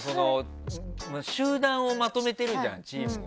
集団をまとめてるじゃんチームを。